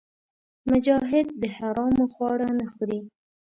مجاهد د حرامو خواړه نه خوري.